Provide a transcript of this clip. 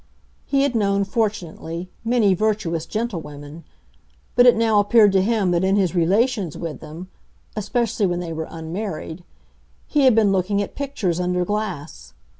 He had known, fortunately, many virtuous gentlewomen, but it now appeared to him that in his relations with them (especially when they were unmarried) he had been looking at pictures under glass.